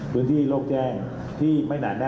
แต่ตรงนี้นะ